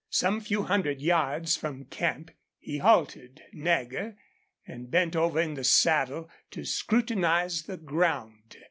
Some few hundred yards from camp he halted Nagger and bent over in the saddle to scrutinize the ground.